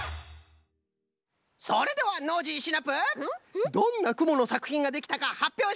それではノージーシナプーどんなくものさくひんができたかはっぴょうしておくれ！